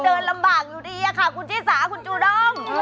เดินลำบากอยู่ดีค่ะคุณชิสาคุณจูด้ง